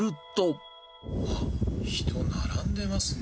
あっ、人並んでますね。